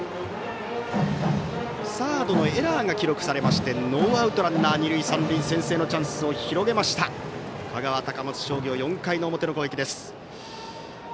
サードのエラーが記録されましてノーアウトランナー、二塁三塁先制のチャンスを広げました香川・高松商業４回の表の攻撃です。